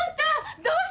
どうしたの！？